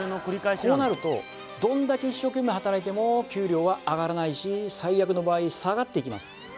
こうなるとどんだけ一生懸命働いても給料は上がらないし最悪の場合下がっていきます